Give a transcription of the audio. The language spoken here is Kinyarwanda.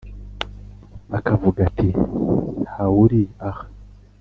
Akavuga ati nta wuri aha